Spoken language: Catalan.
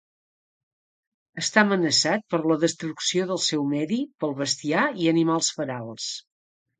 Està amenaçat per la destrucció del seu medi pel bestiar i animals ferals.